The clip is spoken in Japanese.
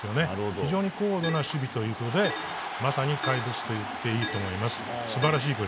非常に高度な守備というわけでまさに怪物と言っていいと思います。